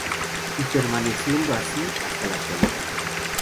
Y permaneciendo así hasta la actualidad.